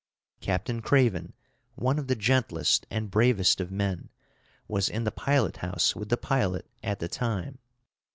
Captain Craven, one of the gentlest and bravest of men, was in the pilot house with the pilot at the time.